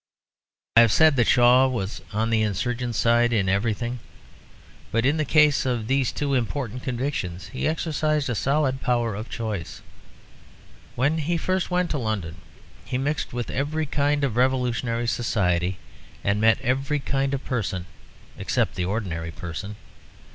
I have said that Shaw was on the insurgent side in everything; but in the case of these two important convictions he exercised a solid power of choice. When he first went to London he mixed with every kind of revolutionary society, and met every kind of person except the ordinary person.